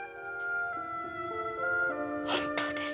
本当です。